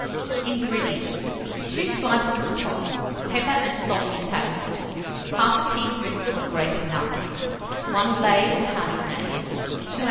II. 236. INGREDIENTS. 2 slices of cod; pepper and salt to taste; 1/2 a teaspoonful of grated nutmeg, 1 large blade of pounded mace, 2 oz.